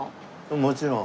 もちろん。